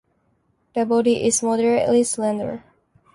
The body is moderately slender.